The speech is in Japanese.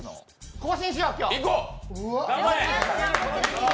更新しよう、今日。